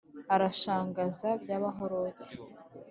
arashyangaza by’abahorote